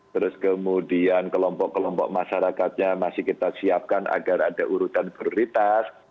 terus kemudian kelompok kelompok masyarakatnya masih kita siapkan agar ada urutan prioritas